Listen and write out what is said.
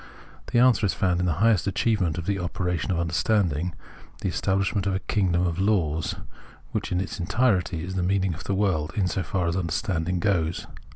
The answer is found in the highest achievement of the operation of understanding — the establishment of a " kingdom of laws," which in its entirety is the meaning of the world so far as understanding goes.